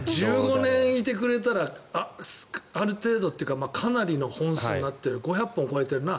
１５年いてくれたらある程度というかかなりの本数になっている５００本超えてるな。